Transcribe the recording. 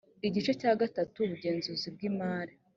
igice cya gatatu ubugenzuzi bw imari